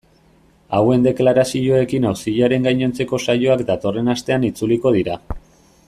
Hauen deklarazioekin auziaren gainontzeko saioak datorren astean itzuliko dira.